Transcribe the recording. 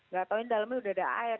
gak tau ini dalemnya udah ada air